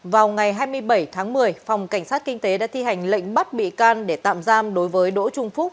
vào ngày hai mươi bảy tháng một mươi phòng cảnh sát kinh tế đã thi hành lệnh bắt bị can để tạm giam đối với đỗ trung phúc